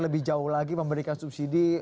lebih jauh lagi memberikan subsidi